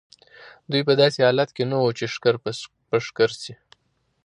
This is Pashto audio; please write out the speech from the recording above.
دوی په داسې حالت کې نه وو چې ښکر په ښکر شي.